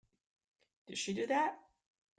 Did she do that?